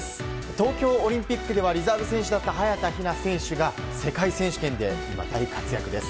東京オリンピックではリザーブ選手だった早田ひな選手が世界選手権で今、大活躍です。